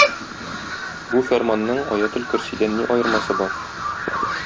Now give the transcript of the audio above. Бу фәрманның "Аятел көрсидән" ни аермасы бар?